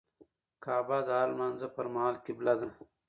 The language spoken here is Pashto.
کعبه د هر لمونځه پر مهال قبله ده.